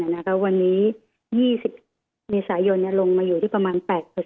วันนี้๒๐เมษายนลงมาอยู่ที่ประมาณ๘๐